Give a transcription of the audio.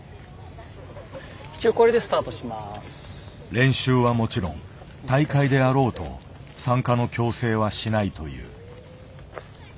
練習はもちろん大会であろうと参加の強制はしないという。